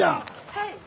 はい。